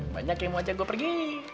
banyak yang mau ajak gue pergi